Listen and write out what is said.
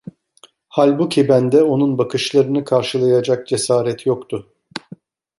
Halbuki bende onun bakışlarını karşılayacak cesaret yoktu.